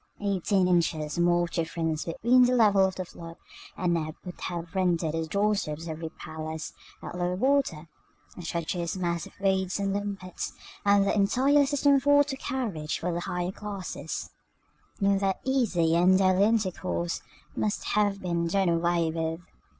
Eighteen inches more of difference between the level of the flood and ebb would have rendered the doorsteps of every palace, at low water, a treacherous mass of weeds and limpets, and the entire system of water carriage for the higher classes, in their easy and daily intercourse, must have been done away with.